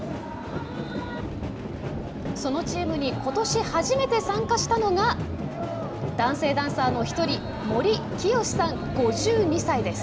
そのチームにことし初めて参加したのが男性ダンサーの１人、森潔さん、５２歳です。